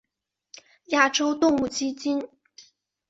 亚洲动物基金。